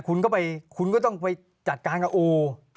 คุณก็ไปคุณก็ต้องไปจัดการกับโอ